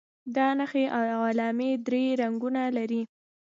دا نښې او علامې درې رنګونه لري.